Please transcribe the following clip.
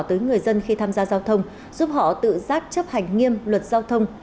tới người dân khi tham gia giao thông giúp họ tự giác chấp hành nghiêm luật giao thông